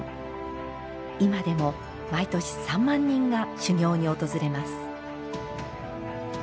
今でも毎年３万人が修行に訪れます。